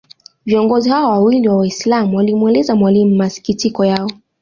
Viongozi hawa wawili wa Waislam walimueleza Mwalimu masikitiko yao